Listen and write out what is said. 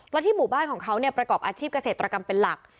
ที่หมู่บ้านของเขาประกอบอาชีพเกษตรกรรมเป็นหลัก